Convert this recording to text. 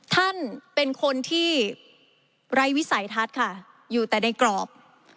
ท่านเป็นคนที่ไร้วิสัยทัศน์ค่ะอยู่แต่ในกรอบ